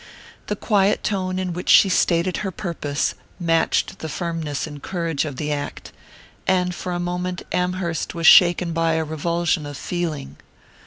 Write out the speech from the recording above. The quiet tone in which she stated her purpose matched the firmness and courage of the act, and for a moment Amherst was shaken by a revulsion of feeling.